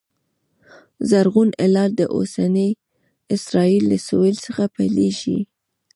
زرغون هلال د اوسني اسرایل له سوېل څخه پیلېږي